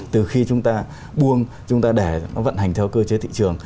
từ khi chúng ta buông chúng ta để nó vận hành theo cơ chế thị trường